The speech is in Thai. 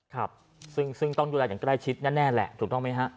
ครับซึ่งต้องดูแลอย่างใกล้ชิดแน่แหละถูกต้องไหมฮะ